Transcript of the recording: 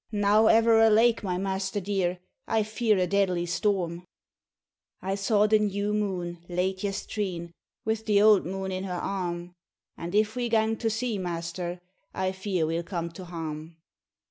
'Now ever alake, my master dear, I fear a deadly storm !* I saw the new moon, late yestreen, Wi' the auld moon in her arm; And if we gang to sea, master, I fear we'll come to harm.'